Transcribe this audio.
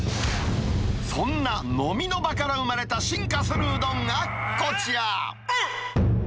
そんな飲みの場から生まれた進化するうどんがこちら。